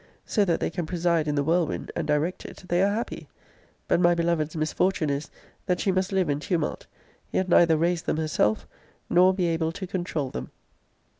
So that they can preside in the whirlwind, and direct it, they are happy. But my beloved's misfortune is, that she must live in tumult; yet neither raise them herself, nor be able to controul them.